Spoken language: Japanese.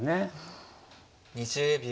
２０秒。